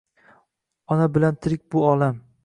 Ona bilan tirik bu olam